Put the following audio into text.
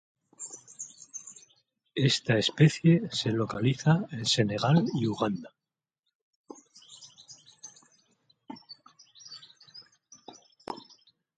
Esta especie se localiza en Senegal y Uganda.